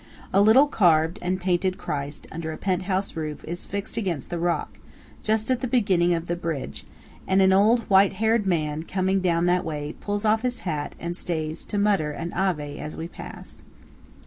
A little carved and painted Christ under a pent house roof is fixed against the rock, just at the beginning of the bridge; and an old white haired man coming down that way, pulls off his hat and stays to mutter an Ave as we pass.